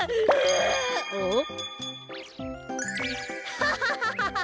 ハハハハハ！